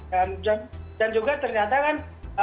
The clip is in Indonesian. dan juga ternyata kan